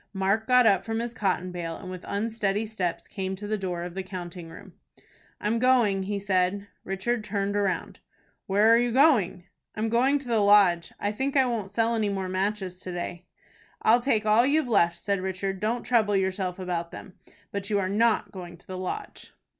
Mark got up from his cotton bale, and with unsteady steps came to the door of the counting room. "I'm going," he said. Richard turned round. "Where are you going?" "I'm going to the Lodge. I think I won't sell any more matches to day." "I'll take all you've left," said Richard. "Don't trouble yourself about them. But you are not going to the Lodge."